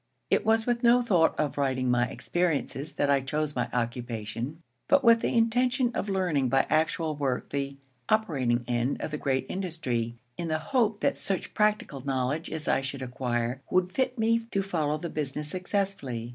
It was with no thought of writing my experiences that I chose my occupation, but with the intention of learning by actual work the 'operating end' of the great industry, in the hope that such practical knowledge as I should acquire would fit me to follow the business successfully.